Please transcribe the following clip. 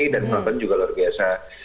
dan penonton juga luar biasa